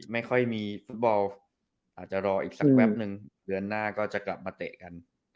ไม่ค่อยมีฟุตบอลอาจจะรออีกสักแป๊บนึงเดือนหน้าก็จะกลับมาเตะกัน